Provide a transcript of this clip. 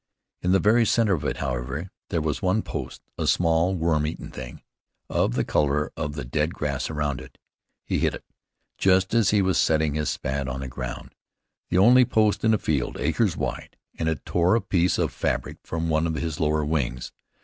In the very center of it, however, there was one post, a small worm eaten thing, of the color of the dead grass around it. He hit it, just as he was setting his Spad on the ground, the only post in a field acres wide, and it tore a piece of fabric from one of his lower wings.